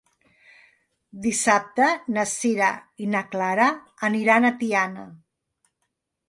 Dissabte na Sira i na Clara aniran a Tiana.